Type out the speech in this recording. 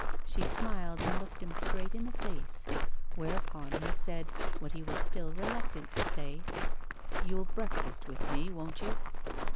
She smiled and looked him straight in the face. Whereupon he said what he was still reluctant to say: 'You'll breakfast with me, won't you?